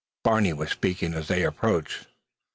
Barney was speaking as they approached.